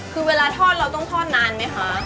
คือเวลาทอดเราต้องทอดนานไหมคะ